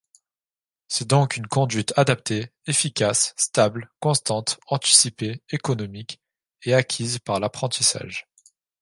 C’est donc une conduite adaptée, efficace, stable, constante, anticipée, économique… et acquise par l’apprentissage.